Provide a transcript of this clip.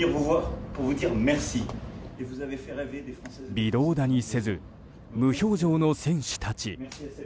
微動だにせず無表情の選手たち。